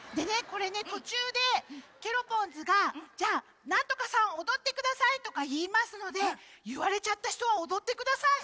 これねとちゅうでケロポンズが「じゃあなんとかさんおどってください」とかいいますのでいわれちゃったひとはおどってください。